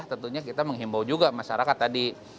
tentunya kita menghimbau juga masyarakat tadi